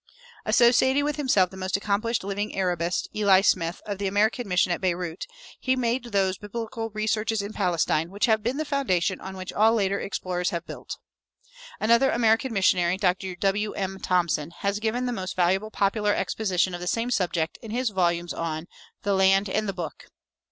Associating with himself the most accomplished living Arabist, Eli Smith, of the American mission at Beirût, he made those "Biblical Researches in Palestine" which have been the foundation on which all later explorers have built. Another American missionary, Dr. W. M. Thomson, has given the most valuable popular exposition of the same subject in his volumes on "The Land and the Book."